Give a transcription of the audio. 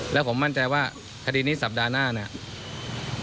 แล้วผมมั่นใจว่าคดีนี้สัปดาห์หน้าเนี่ย